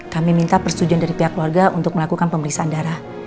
kami minta persetujuan dari pihak keluarga untuk melakukan pemeriksaan darah